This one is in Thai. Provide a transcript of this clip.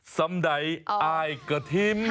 สำใดอายกะทิม